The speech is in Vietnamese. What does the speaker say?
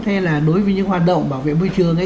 thế là đối với những hoạt động bảo vệ môi trường